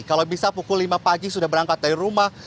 kalau bisa pukul lima pagi sudah berangkat dari rumah